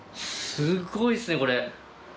すごいですね、これ。